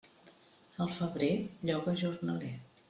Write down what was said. Al febrer, lloga jornaler.